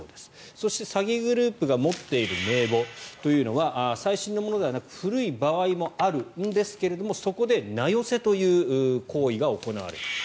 そして、詐欺グループが持っている名簿というのは最新のものではなく古い場合もあるんですがそこで名寄せという行為が行われている。